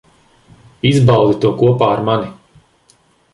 Izbaudi to kopā ar mani.